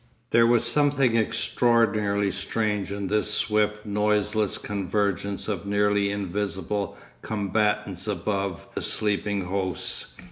'There was something extraordinarily strange in this swift, noiseless convergence of nearly invisible combatants above the sleeping hosts.